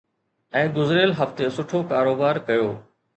۽ گذريل هفتي سٺو ڪاروبار ڪيو